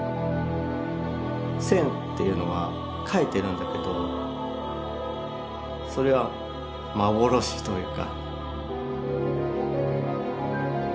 線っていうのは描いてるんだけどそれは幻というか。